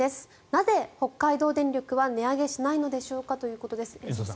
なぜ、北海道電力は値上げしないのでしょうかということです。